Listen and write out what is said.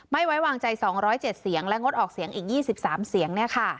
ไม่ไว้วางใจสองร้อยเจ็ดเสียงและงดออกเสียงอีกยี่สิบสามเสียง